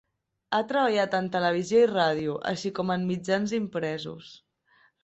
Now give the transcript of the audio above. Ha treballat en televisió i ràdio, així com en mitjans impresos.